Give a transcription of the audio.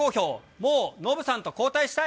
もうノブさんと交代したい。